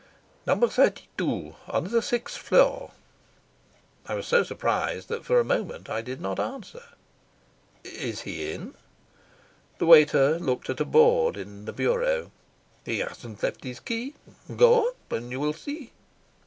"Number thirty two. On the sixth floor." I was so surprised that for a moment I did not answer. "Is he in?" The waiter looked at a board in the "He hasn't left his key. Go up and you'll see."